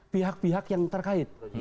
pihak pihak yang terkait